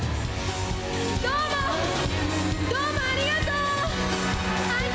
どうもありがとう！